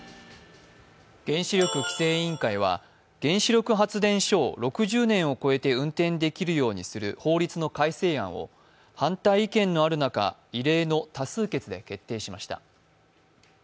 原子力規制委員会は原子力発電所を６０年を超えて運転できるようにする法律の改正案を反対意見のある中、異例の多数決で決定しました。